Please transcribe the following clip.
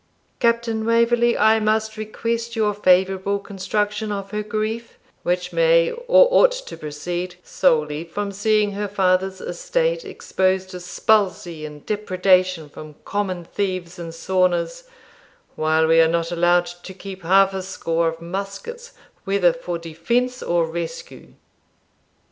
Captain Waverley, I must request your favourable construction of her grief, which may, or ought to proceed, solely from seeing her father's estate exposed to spulzie and depredation from common thieves and sorners, while we are not allowed to keep half a score of muskets, whether for defence or rescue.'